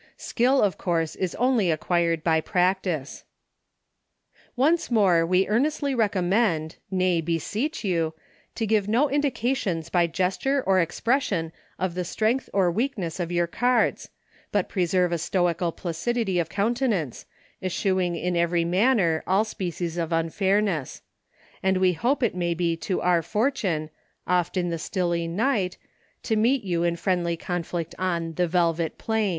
Skill, of course, is only acquired by practice. Once more we earnestly recommend, nay beseech you, to give no indications by ges ture or expression of the strength or weak ness of your cards, but preserve a stoical placidity of countenance, eschewing in every manner all species of unfairness; and we hope it may be our fortune, " oft in the stilly night," to meet you in friendly conflict on the " velvet plain."